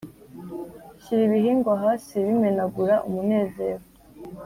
shyira ibihingwa hasi, bimenagura umunezero.